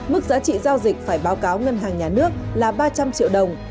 mức giá trị giao dịch phải báo cáo ngân hàng nhà nước là ba trăm linh triệu đồng